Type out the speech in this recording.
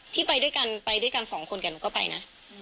ที่ไปด้วยกันไปด้วยกันสองคนกับหนูก็ไปนะ